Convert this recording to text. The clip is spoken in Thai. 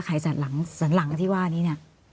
ขายสนหลังที่ว่านี้เนี่ย